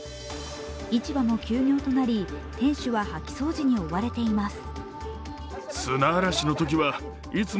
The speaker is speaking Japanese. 市場も休業となり店主は掃き掃除に追われています。